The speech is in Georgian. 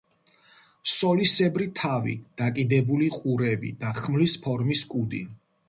სოლისებრი თავი, დაკიდებული ყურები და ხმლის ფორმის კუდი.